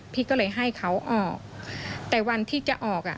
พี่ก็เลยให้เขาออกแต่วันที่จะออกอ่ะ